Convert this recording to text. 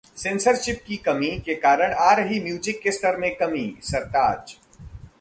censorship की कमी के कारण आ रही म्यूजिक के स्तर में कमी: सरताज